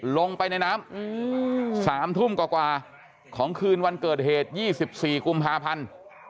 ลงไปในน้ำ๓ทุ่มกว่าของคืนวันเกิดเหตุ๒๔กุมภาพันธ์